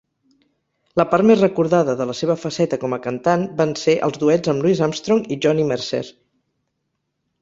La part més recordada de la seva faceta com a cantant van ser els duets amb Louis Armstrong i Johnny Mercer.